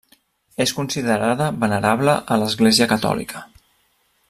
És considerada venerable a l'Església Catòlica.